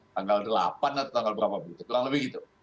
tanggal delapan atau tanggal berapa begitu kurang lebih gitu